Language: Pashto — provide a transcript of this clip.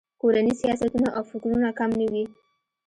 کورني سیاستونه او فکرونه کم نه وي.